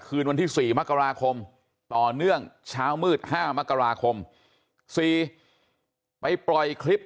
คืนวันที่๔มกราคมต่อเนื่องเช้ามืด๕มกราคม๔ไปปล่อยคลิป